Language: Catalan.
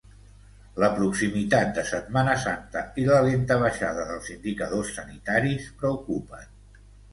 La proximitat de Setmana Santa i la lenta baixada dels indicadors sanitaris preocupen.